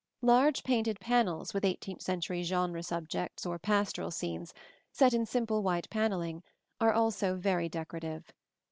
Large painted panels with eighteenth century genre subjects or pastoral scenes, set in simple white panelling, are also very decorative.